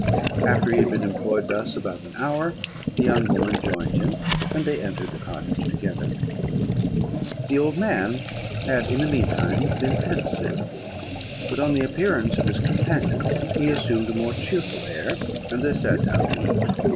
After he had been employed thus about an hour, the young woman joined him, and they entered the cottage together. "The old man had, in the mean time, been pensive; but, on the appearance of his companions, he assumed a more cheerful air, and they sat down to eat.